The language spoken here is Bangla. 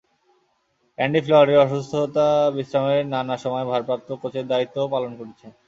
অ্যান্ডি ফ্লাওয়ারের অসুস্থতা-বিশ্রামের নানা সময় ভারপ্রাপ্ত প্রধান কোচের দায়িত্বও পালন করেছেন।